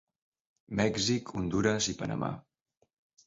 Mèxic, Hondures i Panamà.